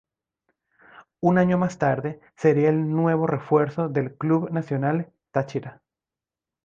Un año más tarde sería el nuevo refuerzo de Club Nacional Táchira.